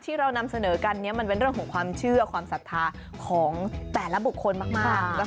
ที่เรานำเสนอกันนี้มันเป็นเรื่องของความเชื่อความศรัทธาของแต่ละบุคคลมาก